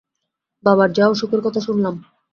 বাবার যা অসুখের কথা শুনলাম।